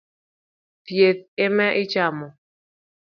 Thich ema ichamo